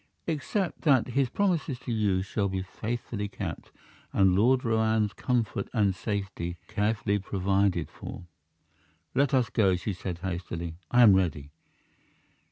"Except that his promises to you shall be faithfully kept, and Lord Roane's comfort and safety carefully provided for." "Let us go," she said, hastily. "I am ready."